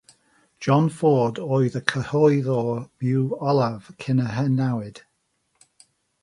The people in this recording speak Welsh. John Ford oedd y cyhoeddwr byw olaf cyn y newid.